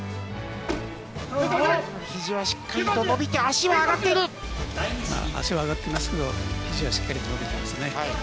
ひじはしっかりと伸びて、足は上がってますけど、ひじはしっかりと伸びていますね。